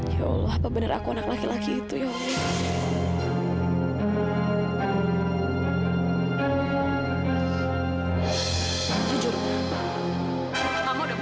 ya allah apa benar aku anak laki laki itu ya jujur